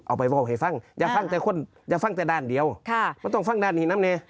เอาไปมอบให้ฟังอย่าฟังแต่คนอย่าฟังแต่ด้านเดียวมันต้องฟังด้านนี้น้ำเน